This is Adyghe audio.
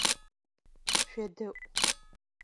ШъуедэIу!